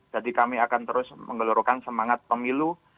jadi kami akan terus menggelorkan semangat pemilu